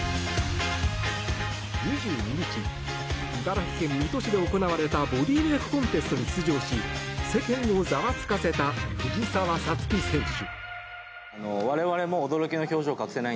２２日茨城県水戸市で行われたボディーメイクコンテストに出場し世間をざわつかせた藤澤五月選手。